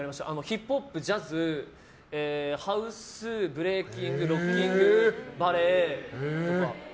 ヒップホップ、ジャズハウス、ブレイキングロッキング、バレエ。